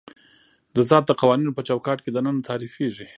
د ذات د قوانینو په چوکاټ کې دننه تعریفېږي.